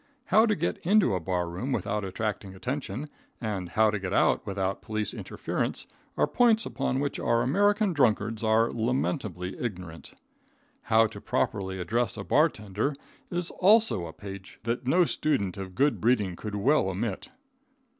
How to get into a bar room without attracting attention, and how to get out without police interference, are points upon which our American drunkards are lamentably ignorant. How to properly address a bar tender, is also a page that no student of good breeding could well omit.